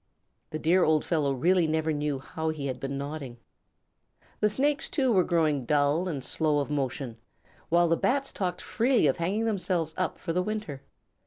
The dear old fellow really never knew how he had been nodding. The Snakes, too, were growing dull and slow of motion, while the Bats talked freely of hanging themselves up for the winter.